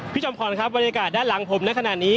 จอมขวัญครับบรรยากาศด้านหลังผมในขณะนี้